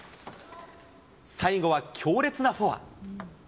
最後は強烈なフォア。